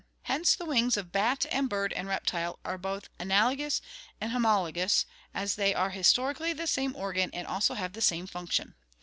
Hence the wings of bat and bird and reptile are both analogous and homologous, as they are historically the same organ and also have the same function.